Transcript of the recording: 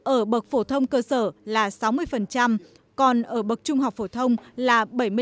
ở bậc phổ thông cơ sở là sáu mươi còn ở bậc trung học phổ thông là bảy mươi năm